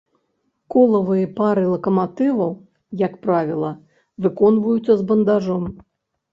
Колавыя пары лакаматываў, як правіла, выконваюцца з бандажом.